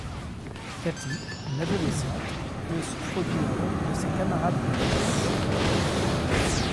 Kathy, une adolescente, est le souffre-douleur de ses camarades de classe.